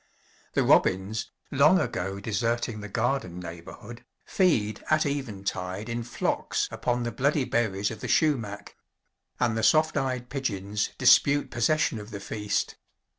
The robins, long ago deserting the garden neighborhood, feed at eventide in flocks upon the bloody berries of the sumac; and the soft eyed pigeons dispute possession of the feast.